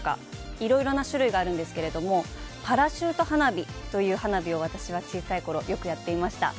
いろいろな種類があるんですけれどもパラシュート花火という花火を私は小さいころ、よくやっていました。